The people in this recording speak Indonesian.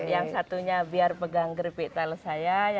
yang satunya biar pegang gerpik talas saya